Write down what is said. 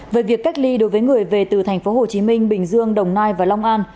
về việc cách ly đối với người về từ tp hcm bình dương đồng nai và long an